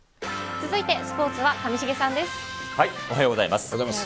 続いてスポーツは上重さんでおはようございます。